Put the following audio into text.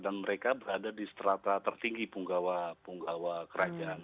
dan mereka berada di setelah tertinggi punggawa punggawa kerajaan